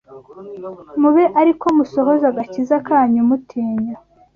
mube ariko musohoza agakiza kanyu mutinya